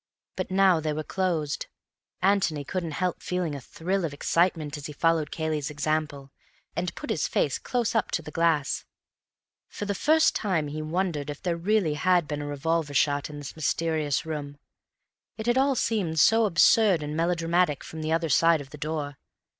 But now they were closed. Antony couldn't help feeling a thrill of excitement as he followed Cayley's example, and put his face close up to the glass. For the first time he wondered if there really had been a revolver shot in this mysterious room. It had all seemed so absurd and melodramatic from the other side of the door.